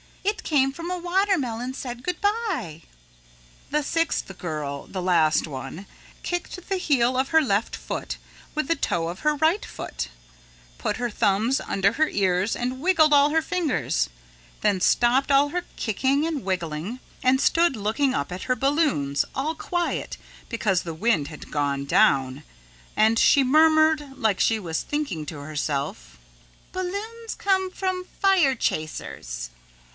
It came from a watermelon said good by." The sixth girl, the last one, kicked the heel of her left foot with the toe of her right foot, put her thumbs under her ears and wiggled all her fingers, then stopped all her kicking and wiggling, and stood looking up at her balloons all quiet because the wind had gone down and she murmured like she was thinking to herself: "Balloons come from fire chasers.